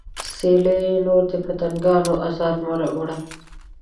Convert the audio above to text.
سیلۍ نور د پتنګانو ازار مه وړه